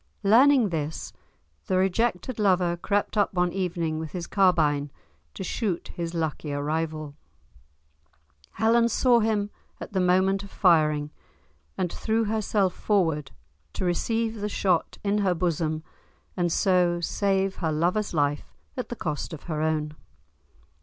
Learning this, the rejected lover crept up one evening, with his carbine, to shoot his luckier rival; Helen saw him at the moment of firing, and threw herself forward to receive the shot in her bosom, and so save her lover's life at the cost of her own.